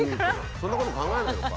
そんなこと考えないのか。